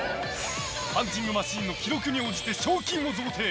パンチングマシンの記録に応じて賞金を贈呈。